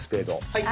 はい！